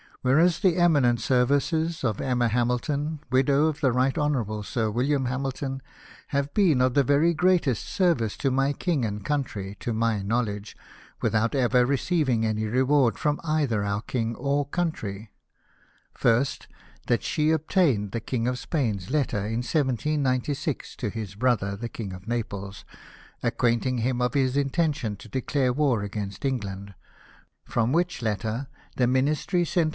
" Whereas the eminent services of Emma Hamilton, widow of the Right Honourable Sir William Hamilton, have been of the very greatest service to my King and country, to my knowledge, without ever receiving any reward from either our King or country :—" First, that she obtained the King of Spain's letter, in 1796, to his brother, the King of Naples, acquainting him of his intention to declare war against England : from which letter the Ministry sent HIS LAST WISHES.